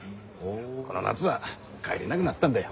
この夏は帰れなぐなったんだよ。